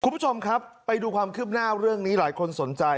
คุณผู้ชมครับไปดูความคืบหน้าเรื่องนี้หลายคนสนใจ